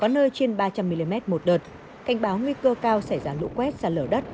nơi trên ba trăm linh mm một đợt cảnh báo nguy cơ cao xảy ra lũ quét sạt lở đất